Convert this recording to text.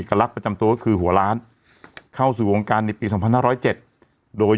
อิกลักษณ์ประจำตัวคือหัวล้านเข้าสู่วงการในปีสองพันห้าร้อยเจ็ดโดย